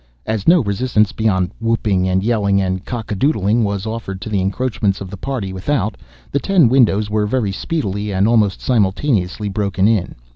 As no resistance, beyond whooping and yelling and cock a doodling, was offered to the encroachments of the party without, the ten windows were very speedily, and almost simultaneously, broken in.